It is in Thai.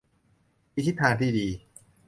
มีทิศทางที่ดี